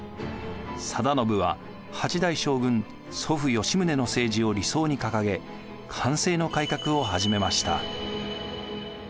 定信は８代将軍祖父吉宗の政治を理想に掲げ寛政の改革を始めました。